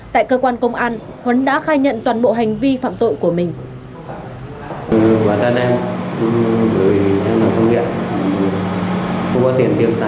tại cơ quan công an huấn đã khai nhận toàn bộ hành vi phạm tội của mình